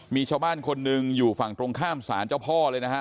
มีชาวบ้านคนหนึ่งอยู่ฝั่งตรงข้ามศาลเจ้าพ่อเลยนะฮะ